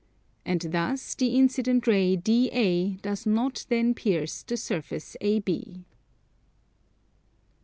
And thus the incident ray DA does not then pierce the surface AB.